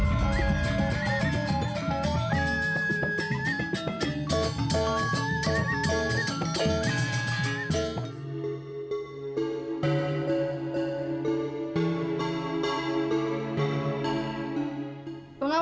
dia sungguh menyerang siapin